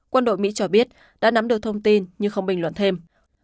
quân đội mỹ cho biết đã nắm được thông tin nhưng không bình luận thêm